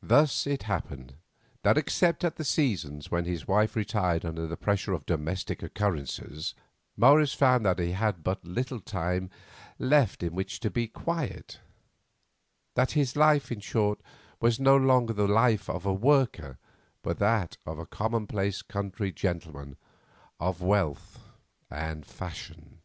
Thus it happened that except at the seasons when his wife retired under the pressure of domestic occurrences, Morris found that he had but little time left in which to be quiet; that his life in short was no longer the life of a worker, but that of a commonplace country gentleman of wealth and fashion.